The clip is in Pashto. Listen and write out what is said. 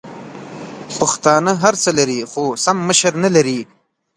پښتانه هرڅه لري خو سم مشر نلري!